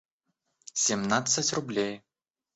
семнадцать рублей